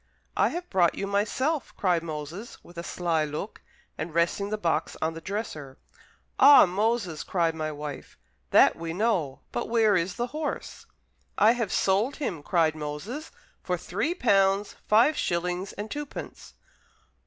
"I have brought you myself," cried Moses, with a sly look, and resting the box on the dresser. "Ah, Moses," cried my wife, "that we know, but where is the horse?" "I have sold him," cried Moses, "for three pounds, five shillings, and twopence."